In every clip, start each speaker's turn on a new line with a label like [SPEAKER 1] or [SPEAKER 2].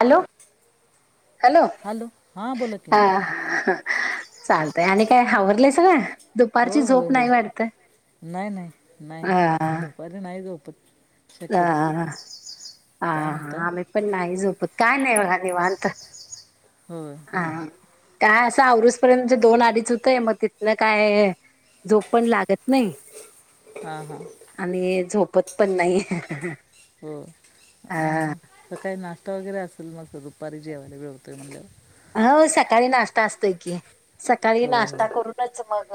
[SPEAKER 1] Hello hello
[SPEAKER 2] हां बोला की
[SPEAKER 1] हा चालतय आणि काय हावरलंयस ना
[SPEAKER 2] होय होय होय नाही नाही नाही दुपारी नाही गोप
[SPEAKER 1] ह
[SPEAKER 2] काय म्हणताय
[SPEAKER 1] हा आम्ही पण नाही झोपत काय नाही बघा देवत
[SPEAKER 2] होम
[SPEAKER 1] काय असं औरुस पर्यंत दोन आडीच होतय मग तिथलं काय झोप पण लागत नाही
[SPEAKER 2] हां हां
[SPEAKER 1] आणि झोपत पण नाही
[SPEAKER 2] हो अ
[SPEAKER 1] हा
[SPEAKER 2] ह काय नात वगैरे असेल मग दुपारी जेवायला मिळतोय म्हणलं
[SPEAKER 1] हो सकाळी नाश्ता असतोय की सकाळी
[SPEAKER 2] होय होय
[SPEAKER 1] नाश्ता करूनच मग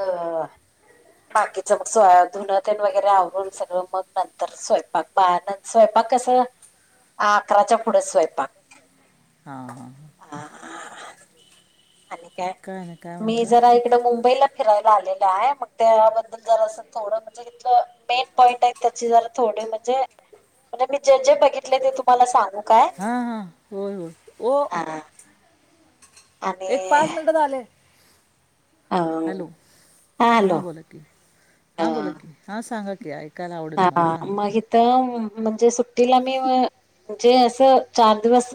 [SPEAKER 1] बाकीच मग स् धुनतन वगैरे आवरून सगळं मग नंतर स्वयंपाक ब स्वय स्वंपाक कस अकराच्या पुढे स्वयंपाक
[SPEAKER 2] हा हा
[SPEAKER 1] ह आणि काय
[SPEAKER 2] नाही काय
[SPEAKER 1] मी
[SPEAKER 2] म्हणताय
[SPEAKER 1] जरा इकड मुंबईला फिला आले आहे मग त्याबद्दल ज थोड म्हणजे मेन पॉईंट आहे त्याड णे म्हे मी जे जे बघितले ते तुम्हाला सांग
[SPEAKER 2] हा हा होय होय
[SPEAKER 1] हा आणि
[SPEAKER 2] एक पाच मिनिटात आले
[SPEAKER 1] अ
[SPEAKER 2] हॅलो हा
[SPEAKER 1] हॅलो
[SPEAKER 2] बोला की
[SPEAKER 1] अ
[SPEAKER 2] हा बोला की हा सांगा की ऐ
[SPEAKER 1] हा मग इथ म्हणजे सुट्टीला मी म्हणजे असं चार दिवस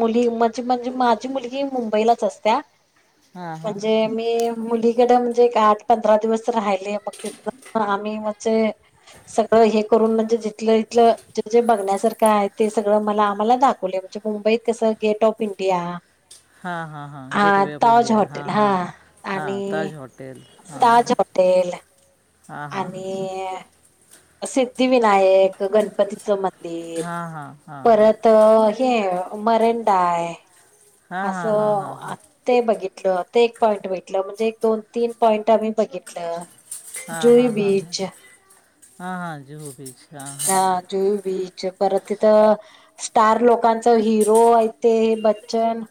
[SPEAKER 1] मुली म्हणजे म्हणजे माझी मुलगी मुंबईलाच असत्या
[SPEAKER 2] हां हां
[SPEAKER 1] म्हणजे मी मुली तिकड म्हणजे एक आठ पंधरा दिवस राहिले मग तिथ आम्ही म्हे सगळं हे करून म्हणजे जिथलं इथलं ज जे बघण्यासारखं आहे ते सगळं मला आम्हाला दाखवले म्हणजे मुंबईत कस गेट ऑफ इंडिया
[SPEAKER 2] हा हा हा गेट वे ऑफ इंडिया हा हा हा ताज होॉटेल हा हा
[SPEAKER 1] तेल आणि सिद्धिविनायक गणपतीचं म मंदिर
[SPEAKER 2] हां हां हां हां
[SPEAKER 1] परत हे मरेंडा आहे
[SPEAKER 2] हां हां हां हां हां
[SPEAKER 1] असं ते बघितित ते एक पॉईंट भेटलं म्हणजे एक, दोन, तीन पॉईंट आम्ही बघितलं. जुई बीच
[SPEAKER 2] हा हा जुहू बीच. हां
[SPEAKER 1] हा
[SPEAKER 2] हां
[SPEAKER 1] जुई बी च परत तिथ स्टार लोकांच हिरो हाईत तेे बच्चन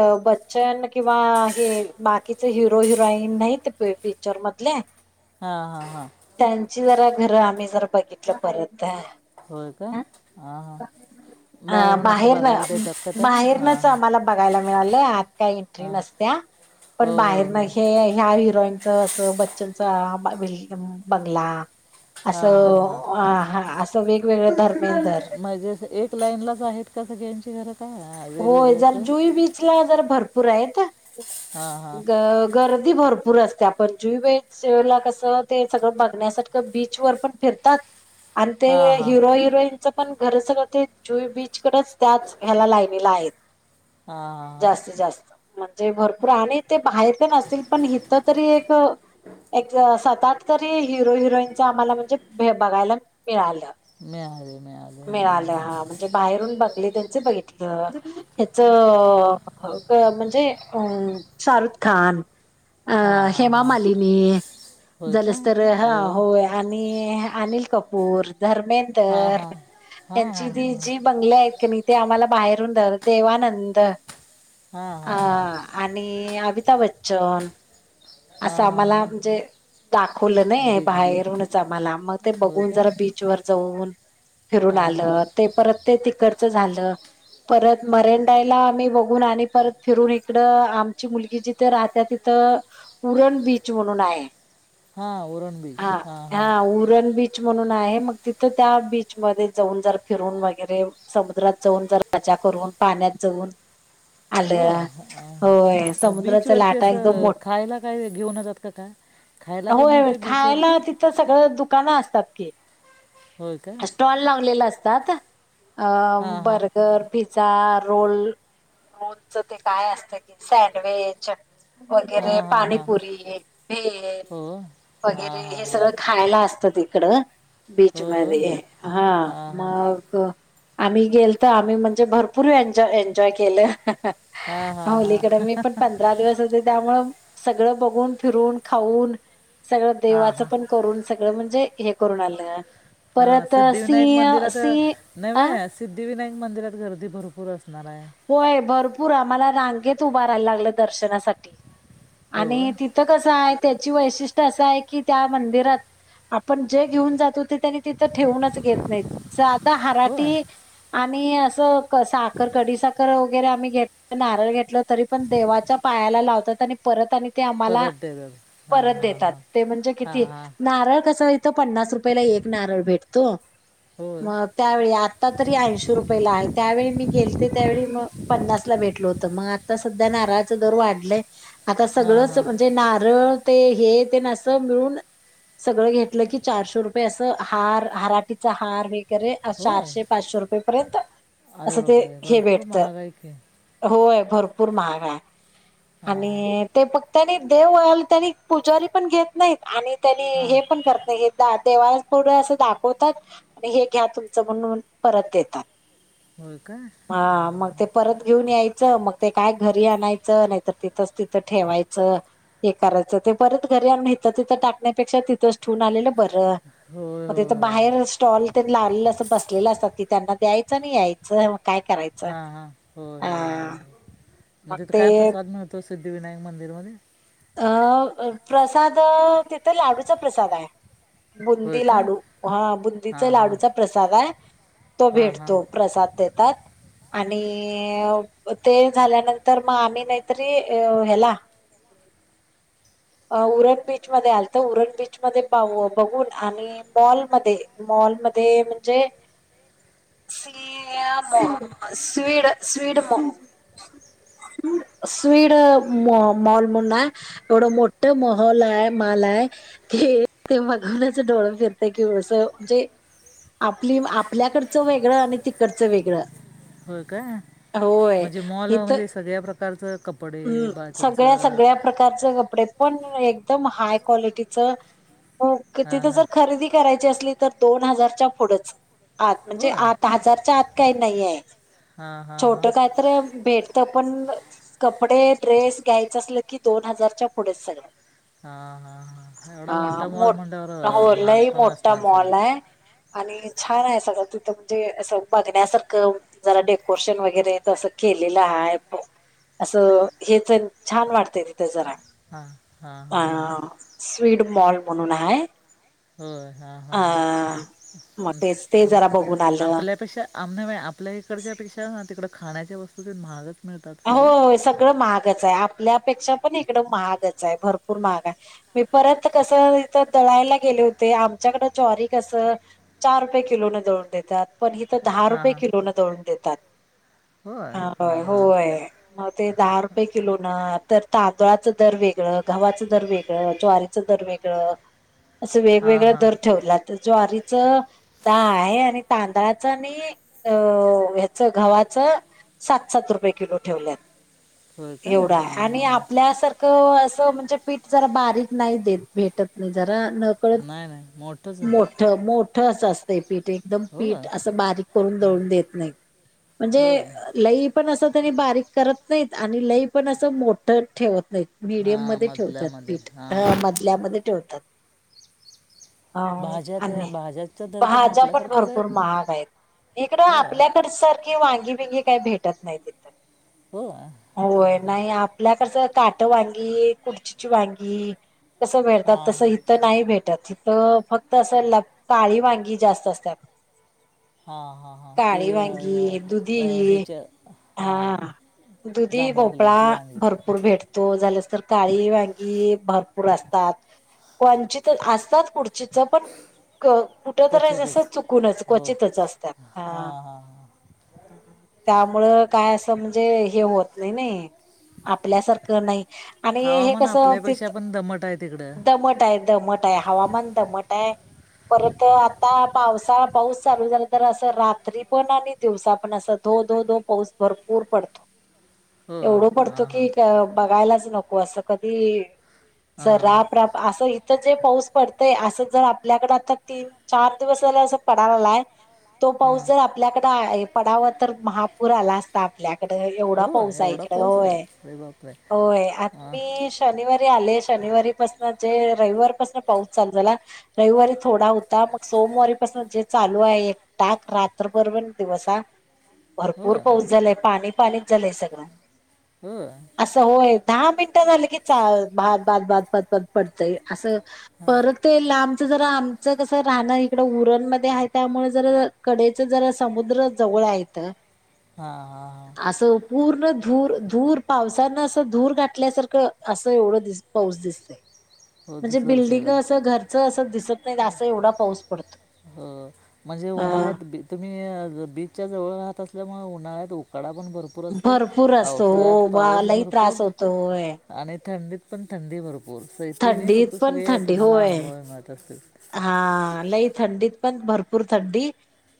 [SPEAKER 1] अ बच्चन किंवा हे बाकीचे हिरो, हिरॉईन नाहीत पी पिचर मधले.
[SPEAKER 2] हा हा हा
[SPEAKER 1] त्यांची जरा घर आम्ही जरा बघितलं परत हा
[SPEAKER 2] होया काय हा हा.
[SPEAKER 1] अ बाहेरन
[SPEAKER 2] त्याला हां
[SPEAKER 1] बाहेरनच
[SPEAKER 2] हां
[SPEAKER 1] आम्हाला बघायला मिळालंय आत काय एंट्री
[SPEAKER 2] हां
[SPEAKER 1] नसत्या. पण
[SPEAKER 2] हो हो
[SPEAKER 1] बाहेरन
[SPEAKER 2] हो
[SPEAKER 1] हे ह्या हिरोईन असं बच्चनचा आ व्हील बंगला.
[SPEAKER 2] हा हा हा
[SPEAKER 1] ह हा असं वेगवेगळं धर्म
[SPEAKER 2] म्हणजेच एक लाईन लाच आहेत का सगळ्यांची घर
[SPEAKER 1] होय जर जुई बीचला जर भरपूर आहेत
[SPEAKER 2] हां हां
[SPEAKER 1] गर दी भरपूर असत्या आपण जुई बिचला कस ते सगळं बघण्यासारखं बीच वर पण फिरतात. आणि ते
[SPEAKER 2] हां हां
[SPEAKER 1] हिरो, हिरोईनचं पण घर सगळं ते जुई बीचकडच त्याच ह्याला लाय आहेत
[SPEAKER 2] हां हां हां
[SPEAKER 1] जास्तीत जास्त. म्हणजे भरपूर आणि ते बाहेर ते नसतील पण इथ तरी एक अ एक अ सात, आठ तरी हिरो, हिरोईनच आम्हाला म्हणजे भे बघायला मिळालं.
[SPEAKER 2] मिळा
[SPEAKER 1] मिळालं हा म्हणजे बाहेरून बंगले त्यांचे बघितले. ह्याच अ म्हणजे अ शारुख खान अ
[SPEAKER 2] हां हां
[SPEAKER 1] हेमा
[SPEAKER 2] हां
[SPEAKER 1] मालिनी
[SPEAKER 2] होय का
[SPEAKER 1] झालंस तर ह
[SPEAKER 2] अरे वा
[SPEAKER 1] होय आणि अनिल कपूर,
[SPEAKER 2] हां
[SPEAKER 1] धर्मेंदर
[SPEAKER 2] हां हां
[SPEAKER 1] यांची
[SPEAKER 2] हां
[SPEAKER 1] ती
[SPEAKER 2] हां
[SPEAKER 1] जी बंगले आहेत कनी ते आम्हाला बाहेरूनदर देवानंद.
[SPEAKER 2] हां
[SPEAKER 1] अ
[SPEAKER 2] हां हां
[SPEAKER 1] आणि अबिता बच्चन.
[SPEAKER 2] हां
[SPEAKER 1] असं
[SPEAKER 2] हां
[SPEAKER 1] आम्हाला
[SPEAKER 2] हां
[SPEAKER 1] म्हणजे दाखवलं नई,
[SPEAKER 2] बीच बीच
[SPEAKER 1] बाहेरूनच आम्हाला मग ते
[SPEAKER 2] होय
[SPEAKER 1] बघून
[SPEAKER 2] का
[SPEAKER 1] जरा बीचवर जाऊन फिरून
[SPEAKER 2] हां हां
[SPEAKER 1] आलं. ते परत ते तिकडचं झालं. परत मरेंडायला आम्ही बघून आणि परत फिरून इकड आमची मुलगी जिथ राहत्या तिथ उरण बीच म्हणून आहे.
[SPEAKER 2] हां उरण
[SPEAKER 1] हा
[SPEAKER 2] बीच हां
[SPEAKER 1] हा
[SPEAKER 2] हां
[SPEAKER 1] उरन बी च म्हणून आहे मग तिथ त्या बीच मधे जाऊन जरा फिरून वगेरे समुद्रात जाऊन जरा मजा करून पाण्यात जाऊन
[SPEAKER 2] हो
[SPEAKER 1] आलं.
[SPEAKER 2] हां.
[SPEAKER 1] होय
[SPEAKER 2] मग
[SPEAKER 1] समुद्राचा
[SPEAKER 2] बीचवरती
[SPEAKER 1] लाटा एकदम
[SPEAKER 2] असं
[SPEAKER 1] मोठ
[SPEAKER 2] खायला काय घेऊन जातात का काय खायला काय
[SPEAKER 1] होय होय
[SPEAKER 2] मिळतं
[SPEAKER 1] खायला
[SPEAKER 2] बीचवरती
[SPEAKER 1] तिथं सगळं दुकानं असत तात की
[SPEAKER 2] होय का
[SPEAKER 1] स्टॉल लावलेलं असतात अ
[SPEAKER 2] हां हां
[SPEAKER 1] बर्गर, पिझ् झा, रोल रोलच ते काय असत कि सँडविच. वगैरे
[SPEAKER 2] हां हां हां
[SPEAKER 1] पाणीपुरी, भेल
[SPEAKER 2] हो हां
[SPEAKER 1] वगैरे
[SPEAKER 2] हां
[SPEAKER 1] हे
[SPEAKER 2] हां
[SPEAKER 1] सगळं खायाला असत ते कड
[SPEAKER 2] हो
[SPEAKER 1] बीच
[SPEAKER 2] हो
[SPEAKER 1] मधे हा
[SPEAKER 2] हां हां
[SPEAKER 1] मग अ आम्ही गेल तर आम्ही म्हणजे भरपूर एनजॉ एन्जॉय केलं हह.
[SPEAKER 2] हां हां
[SPEAKER 1] हो
[SPEAKER 2] हां
[SPEAKER 1] लीकड मी पण पंधरा दिवस होते त्यामुळं सगळं बघून, फिरून, खाऊन सगळ
[SPEAKER 2] हां
[SPEAKER 1] देवाचं
[SPEAKER 2] हां
[SPEAKER 1] पण करून सगळं म्हण जे हे करून आलं.
[SPEAKER 2] हा
[SPEAKER 1] परत
[SPEAKER 2] सिद्धिविनायक
[SPEAKER 1] सिंह
[SPEAKER 2] मंदिरात अ
[SPEAKER 1] सिंह अ
[SPEAKER 2] नव्हे सिद्धिविनायक मंदिरात गर्दी भरपूर अस
[SPEAKER 1] होय भरपूर आम्हाला रांगेत उभारायला लागलं दर्शनासाठी.
[SPEAKER 2] हो
[SPEAKER 1] आणि तिथं कसं आहे त्याची वैशिष्ट्य असं आहे की त्या मंदिरात. आपण जे घेऊन जातो ते त्यांनी तिथं ठेवूनच घेत नाहीत.
[SPEAKER 2] हो
[SPEAKER 1] हराठी आणि असं कसा खडीसाखर वगैरे आम्ही घेत नारळ घेतलं तरी पण देवाच्या पायाला लावतात आणि परत आणि ते आम्हाला
[SPEAKER 2] परत देतात हां
[SPEAKER 1] परत
[SPEAKER 2] हां
[SPEAKER 1] देतात.
[SPEAKER 2] हां
[SPEAKER 1] ते म्हणजे
[SPEAKER 2] हां
[SPEAKER 1] किती
[SPEAKER 2] हां
[SPEAKER 1] नारळ कसा हाय ती तर पन्नास रुपयाला एक नारळ भेटतो.
[SPEAKER 2] हो
[SPEAKER 1] मग त्यावेळी आता तरी ऐंशी रुपयाला आहे. त्यावेळी मी गेलते त्यावेळी मग पन्नास ला भेटल होत मग आता सध्या नारळाचं दर वाढलंय आता
[SPEAKER 2] हां
[SPEAKER 1] सगळंच
[SPEAKER 2] हां
[SPEAKER 1] म्हणजे नारळ ते हे ते न असं मिळून सगळं घेतलं की चारशे रुपये असं हार हराटीचा हार व
[SPEAKER 2] हो
[SPEAKER 1] चारशे पाचशे रुपये पर्यंत
[SPEAKER 2] अरे
[SPEAKER 1] असं ते
[SPEAKER 2] बापरे
[SPEAKER 1] हे
[SPEAKER 2] भरपूर
[SPEAKER 1] भेटत
[SPEAKER 2] महाग आहे की
[SPEAKER 1] होय भरपूर महाग आहे
[SPEAKER 2] हां हां
[SPEAKER 1] आणि ते फक त्यांनी देव त्यांनी पुजारी पण घेत नाहीत. आणि त्यांनी
[SPEAKER 2] हां
[SPEAKER 1] हे पण करत नाहीत. देवापुढ असं दाखवतात आणि हे घ्या तुमचं म्हणून परत देतात.
[SPEAKER 2] होय काय
[SPEAKER 1] हा मग
[SPEAKER 2] ह्ह्ह्ह
[SPEAKER 1] ते परत घेऊन यायचं मग ते काय घरी आणायचं नाही. तर तिथच तिथं ठेवायचं हे करायचं ते परत घरी आणून इथं तिथं टाकण्यापेक्षा तिथंच ठे वुन आलेलं बरं
[SPEAKER 2] होय
[SPEAKER 1] मग तेथ
[SPEAKER 2] होय होय
[SPEAKER 1] बाहेर स्टॉल तेन लावल असत आणी बसलेलं असत कि त्यांना द्यायचं आणि यायचं काय करायचं
[SPEAKER 2] हां हां होय
[SPEAKER 1] अ
[SPEAKER 2] होय होय होय मग तिथ काय प्रसाद मिळतो. सिद्धिविनायक मंदिरमध्ये
[SPEAKER 1] अ अ प्रसाद तिथं लाडूचा प्रसाद आहे.
[SPEAKER 2] होय
[SPEAKER 1] बुंदी
[SPEAKER 2] का
[SPEAKER 1] लाडू हा
[SPEAKER 2] हां
[SPEAKER 1] बुंदीचा
[SPEAKER 2] हां
[SPEAKER 1] लाडूचा प्रसाद आहे. तो
[SPEAKER 2] हां हां
[SPEAKER 1] भेटतो प्रसाद देतात. आणि ते झाल्यानंतर मग आम्ही नाहीतरी अ ह्याला [unintelligible] अ उरण बीचमध्ये आलत उरण बीचमध्ये पाहू बघून आणि मॉलमध्ये मॉल मध्ये म्हणजे सयाम स्ड स्वीडम म स्वीड मॉ मॉल म्हण एवढं मोठ मोहौल आहे माल आहे ते ते बघवण्याच डोळ फिरत. कं कि म्हणजे आपली आपल्याकडचं वेगळं आणि तिकडचं वेगळं
[SPEAKER 2] होय का
[SPEAKER 1] होय
[SPEAKER 2] म्हणजे मॉल
[SPEAKER 1] इथ
[SPEAKER 2] म्हणजे सगळ्या प्रकारचं कपडे
[SPEAKER 1] हम्म
[SPEAKER 2] बा
[SPEAKER 1] सगळ्या
[SPEAKER 2] तुमचं
[SPEAKER 1] सगळ्या प्रकारचे कपडे पण एकदम हाय क्वालिटीच
[SPEAKER 2] हां
[SPEAKER 1] तिथं
[SPEAKER 2] हां
[SPEAKER 1] जर खरेदी कराय ते असली तर दोन हजारच्या पुढच आत म्हणजे
[SPEAKER 2] हो हां
[SPEAKER 1] आत हजारच्या आत काही नाय आहे
[SPEAKER 2] हां
[SPEAKER 1] छोट
[SPEAKER 2] हां
[SPEAKER 1] काय तर भेटत पण ण-ण कपडे ड्रेस घ्यायच असल की दोन हजारच्या पुढेच सगळ
[SPEAKER 2] हां हां हां एवढा
[SPEAKER 1] हा
[SPEAKER 2] मोठा मॉल म्हटल्यावर अ,
[SPEAKER 1] मोटा
[SPEAKER 2] महाग
[SPEAKER 1] लाई
[SPEAKER 2] पण
[SPEAKER 1] मोटा
[SPEAKER 2] असणार सगळं
[SPEAKER 1] मॉल आहे. आणि छान आहे सगळं तिथं म्हणजे असं बघण्यासारखं जरा डेकोरेशन वगैरे तसं खी ह अस हेच छान वाटतय तिथे जरा
[SPEAKER 2] हा हा
[SPEAKER 1] अ-अ स्वीड मॉल म्हणून आहे.
[SPEAKER 2] होय हां
[SPEAKER 1] ह
[SPEAKER 2] हां हां
[SPEAKER 1] म तेच ते जरा बघुून
[SPEAKER 2] आपल्यापेक्षा आम आपल्या इकडच्या पेक्षा तिकड खाण्याच्या वस्तू तेन महागच मिळतात सगळ्या
[SPEAKER 1] हो सगळं माहागच आहे आपल्यापेक्षा पण इकडं महागच आहे भरपूर महाग आहे मी परत कस इथ दळायला गेलो. आ रे ते आमच्याकडं ज्वारी कसं चार रुपये किलोने दळून देत्यात पण हित तर दहा
[SPEAKER 2] हां
[SPEAKER 1] रुपये
[SPEAKER 2] हां
[SPEAKER 1] किलो नं दळून देतात.
[SPEAKER 2] होय हा-हा
[SPEAKER 1] मग ते दहा रुपये किलो ना तर तांदळाचं दर वेगळं गव्हाचं दर वेगळं ज्वारीच दर वेद असं
[SPEAKER 2] हां
[SPEAKER 1] वेगवेगळा
[SPEAKER 2] हां
[SPEAKER 1] दर ठेवला त ज्वारीचं दहा आहे आणि तांदळाच नी अ ह्याचं गव्हाचं सात, सात रुपये किलो ठेवल्यात
[SPEAKER 2] होय का हां
[SPEAKER 1] एवढा आणि
[SPEAKER 2] हां हां
[SPEAKER 1] आपल्यासारखं म्हणजे पीठ जरा बारीक नाही देत, भेटत नाही ज नकळत
[SPEAKER 2] नाही नाही मोठंच आहे मग
[SPEAKER 1] मोठं, मोठं असं असतय पीठ एकदम
[SPEAKER 2] होय
[SPEAKER 1] पीठ असं बारीक करून दळून देत नाही, म्हणजे
[SPEAKER 2] होय
[SPEAKER 1] लई पण असं त्यांनी बारीक करत नाहीत आणि लय पण असं मोठं ठेवत मडियम
[SPEAKER 2] हां
[SPEAKER 1] मध्ये ठेवतात
[SPEAKER 2] मधल्यामध्ये
[SPEAKER 1] पीठ,
[SPEAKER 2] हां
[SPEAKER 1] मधल्यामध्ये ठेवतात अ,
[SPEAKER 2] भाज्या त्या
[SPEAKER 1] आणि
[SPEAKER 2] भाज्याच्या दर तर ना
[SPEAKER 1] भाज्या पण
[SPEAKER 2] आपल्यासारखेच
[SPEAKER 1] भरपूर महाग आहेत इकडं
[SPEAKER 2] हो
[SPEAKER 1] आपल्याकड सारखी वांगी बीगी काय भेटत नाय हीत,
[SPEAKER 2] हो हां
[SPEAKER 1] व्हय नाही आपल्या कसं काट वांगी, कुर्चीची वांगी कसं भेटतात, तसं
[SPEAKER 2] हां
[SPEAKER 1] इथं नाही भेटत तर फक्त असं ल काळी वांगी जास्त असतात.
[SPEAKER 2] हा, हा, हा ते
[SPEAKER 1] काळी वांगी दुधी
[SPEAKER 2] हॆच्या हा
[SPEAKER 1] दुधी भोपळा भरपूर भेटतो झालच तर काळी वांगी भरपूर असतात. वंचित असतात खुर्चीच पण कुठं तरी, अससं
[SPEAKER 2] क्वचितच
[SPEAKER 1] चुकूनच
[SPEAKER 2] हो
[SPEAKER 1] क्वचितच असतात,
[SPEAKER 2] हां
[SPEAKER 1] हा
[SPEAKER 2] हां हां
[SPEAKER 1] त्यामुळं, काय असं, म्हणजे हे होत नाही नाही आपल्यासारखं नाही, आणि हे
[SPEAKER 2] हवामान
[SPEAKER 1] कसं
[SPEAKER 2] आपल्यापेक्षा पण दमट आहे तिकडं
[SPEAKER 1] दमट आहेत. दमट आहे, हवामान दमट आहे परत आता पावसाळा पाऊस चालू झाला तर असं, रात्री पण आणि दिवसा पण असं धो, धो, धो पाऊस भरपूर पडत
[SPEAKER 2] हो
[SPEAKER 1] एवढं पडतो
[SPEAKER 2] हां हां
[SPEAKER 1] की बघायलाच नको, असं कधी जर
[SPEAKER 2] हां
[SPEAKER 1] राप, राप असं इथ जे पाऊस पडतय, असं जर आपल्याकडे आता तीन चार दिवस दिवस असं पडायलाय तो पाऊस,
[SPEAKER 2] हां
[SPEAKER 1] जर आपल्याकडे पडावा, तर महापूर आला असता आपल्याक इकडं एवढा
[SPEAKER 2] हो
[SPEAKER 1] पाऊस आहे
[SPEAKER 2] एवढा
[SPEAKER 1] इकडं,
[SPEAKER 2] पाऊस आहे
[SPEAKER 1] व्हय,
[SPEAKER 2] अरे बापरे
[SPEAKER 1] व्हय, हा
[SPEAKER 2] हां
[SPEAKER 1] मी शनिवारी आले, शनिवारीपासन जे रविवारपासन पाऊस चालू झाला, रविवारी थोडा होता, मग सोमवारीपासून जे चालू आहे एक टाक, रात्रभर बण दिवसा
[SPEAKER 2] हो
[SPEAKER 1] भरपूर पाऊस
[SPEAKER 2] हो
[SPEAKER 1] झालाय, पाणी पाणीच झालंय सगळं.
[SPEAKER 2] व्हय [unintelligible]
[SPEAKER 1] असं होय दहा मिनटं झालं की चा बाद, बाद, बाद, बाद पडतंय, असं परत ते लांबच जरा, आमचं कस राहणं, इकडं उरणमध्ये आहे त्यामुळे जर कडेच जरा मुद्र जवळ हाय इथं
[SPEAKER 2] हा, हा, हा
[SPEAKER 1] असं पूर्ण धूर, धूर, पावसानं असं धूर गाठल्यासारखं, असं एवढं दिस पाऊस दिसत
[SPEAKER 2] हो
[SPEAKER 1] म्हणजे
[SPEAKER 2] दुसरं
[SPEAKER 1] बिल्डिंग,
[SPEAKER 2] सगळं
[SPEAKER 1] असं घरचं असं दिसत नाही, असं एवढा पाऊस पडतो.
[SPEAKER 2] हो म्हणजे
[SPEAKER 1] अ
[SPEAKER 2] उन्हाळ्यात बी तुम्ही बीचच्या जवळ राहत त्यामुळं उन्हाळ्यात उकाडा भरपूर असेल,
[SPEAKER 1] भरपूर असतो
[SPEAKER 2] पावसाळ्यात
[SPEAKER 1] हो बा
[SPEAKER 2] पाऊस
[SPEAKER 1] लई
[SPEAKER 2] भरपूर,
[SPEAKER 1] त्रास होतो होय.
[SPEAKER 2] आणि थंडी पण थंडी भरपूर, तीन
[SPEAKER 1] थंडीत
[SPEAKER 2] ऋतू
[SPEAKER 1] पण
[SPEAKER 2] सगळे
[SPEAKER 1] थंडी
[SPEAKER 2] तुम्हाला
[SPEAKER 1] होय
[SPEAKER 2] अनुभवाय मिळत असतील.
[SPEAKER 1] हा, लई थंडीत पण भरपूर थंडी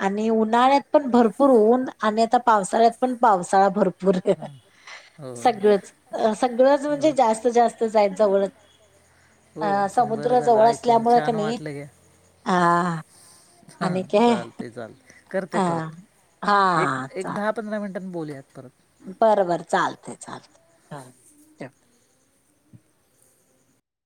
[SPEAKER 1] आणि उन्हाळ्यात पण भरपूर ऊन, आणि आता पावसाळ्यात पण पावसाळा भरपूर आहे.
[SPEAKER 2] होय
[SPEAKER 1] सगळंच, सगळंच
[SPEAKER 2] होय
[SPEAKER 1] म्हणजे जास्त जास्त जाय जवळच
[SPEAKER 2] होय
[SPEAKER 1] अ
[SPEAKER 2] बरं
[SPEAKER 1] समुद्र
[SPEAKER 2] झालं
[SPEAKER 1] जवळ
[SPEAKER 2] ऐकून
[SPEAKER 1] असल्यामुळं, क
[SPEAKER 2] छान
[SPEAKER 1] नई हा, हा
[SPEAKER 2] हा, चालतय, चालतय, करते
[SPEAKER 1] अ
[SPEAKER 2] परत,
[SPEAKER 1] हा
[SPEAKER 2] एक दहा पंधरा मिनट बोलूयात परत
[SPEAKER 1] बर, बर चालतय, चालतय हा ठेव